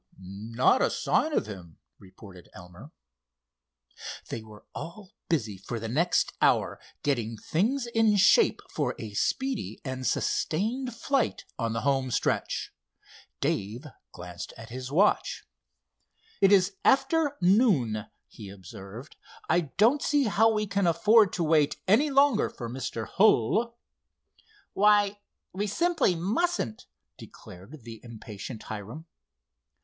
"Not a sign of him," reported Elmer. They were all busy for the next hour, getting things in shape for a speedy and sustained flight on the home stretch. Dave glanced at his watch. "It is after noon," he observed. "I don't see how we can afford to wait any longer for Mr. Hull." "Why, we simply mustn't," declared the impatient Hiram.